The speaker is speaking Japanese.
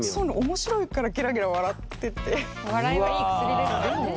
面白いからゲラゲラ笑ってて。